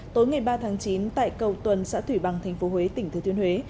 tối ngày ba tháng chín tại cầu tuần xã thủy bằng tp huế tỉnh thừa thiên huế